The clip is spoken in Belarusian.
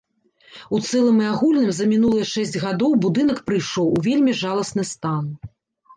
У цэлым і агульным за мінулыя шэсць гадоў будынак прыйшоў у вельмі жаласны стан.